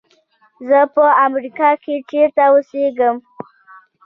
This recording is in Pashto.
زه په امریکا کې چېرته اوسېږم.